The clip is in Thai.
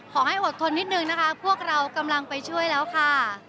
อดทนนิดนึงนะคะพวกเรากำลังไปช่วยแล้วค่ะ